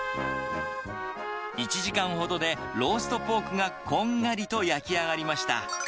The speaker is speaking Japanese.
１時間ほどでローストポークがこんがりと焼き上がりました。